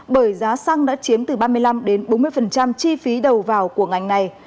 bởi giá xăng đã chiếm từ ba mươi năm bốn mươi chi phí đầu vào của ngành này